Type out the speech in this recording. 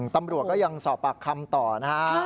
ตำรวจก็ยังสอบปากคำต่อนะฮะ